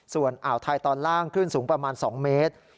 ส่วนอ่าวไทยตอนล่างคลื่นสูงประมาณ๒เมตร